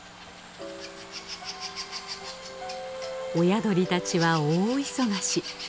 親鳥たちは大忙し。